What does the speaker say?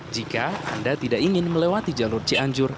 jika anda tidak ingin melewati jalur cianjur